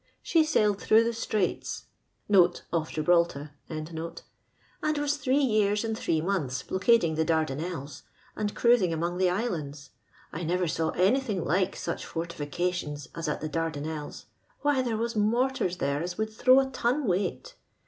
She sailed through the Straits (of Gibraltar), and was three yean and three months blockading the DardancUK and cruising among the islands. I never saw anything like such fortifications as at the Dar danelles ; why, there was mortars there as would throw a ton weight.